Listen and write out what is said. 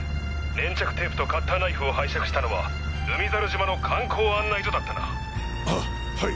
粘着テープとカッターナイフを拝借したのは海猿島の観光案内所だったな？ははい。